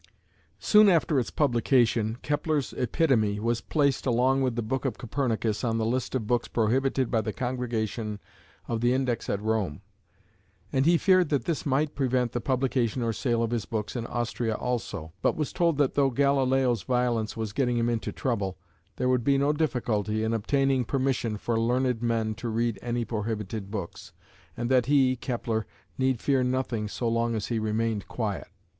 Soon after its publication Kepler's "Epitome" was placed along with the book of Copernicus, on the list of books prohibited by the Congregation of the Index at Rome, and he feared that this might prevent the publication or sale of his books in Austria also, but was told that though Galileo's violence was getting him into trouble, there would be no difficulty in obtaining permission for learned men to read any prohibited books, and that he (Kepler) need fear nothing so long as he remained quiet.